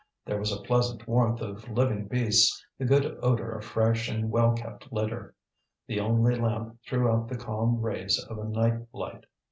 There was a pleasant warmth of living beasts, the good odour of fresh and well kept litter. The only lamp threw out the calm rays of a night light.